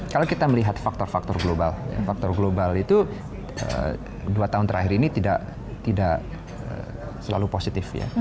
kalau kita melihat faktor faktor global faktor global itu dua tahun terakhir ini tidak selalu positif ya